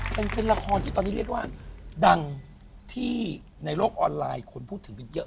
เป็นละครที่ตอนนี้เรียกว่าดังที่ในโลกออนไลน์คนพูดถึงกันเยอะ